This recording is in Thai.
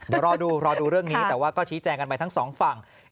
เดี๋ยวรอดูรอดูเรื่องนี้แต่ว่าก็ชี้แจงกันไปทั้งสองฝั่ง